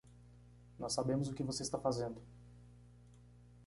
Nós sabemos o que você está fazendo.